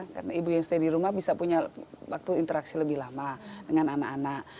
karena ibu yang stay di rumah bisa punya waktu interaksi lebih lama dengan anak anak